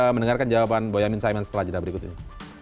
mendengarkan jawaban boyamin saiman setelah jeda berikut ini